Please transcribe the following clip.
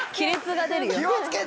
気を付けて。